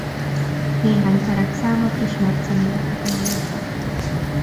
Néhány kerek számot ismert személyeknek ajánlottak fel.